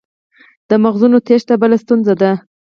د مغزونو تیښته بله ستونزه ده.